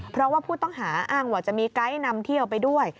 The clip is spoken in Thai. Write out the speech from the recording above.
เพราะว่าผู้ต้องหาอ้างว่าจะมีไกด์นำเที่ยวไปด้วย